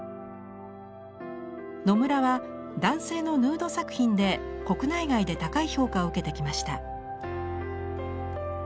野村は男性のヌード作品で国内外で高い評価を受けてきました。